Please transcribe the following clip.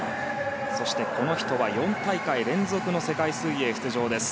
この人は４大会連続の世界水泳出場です。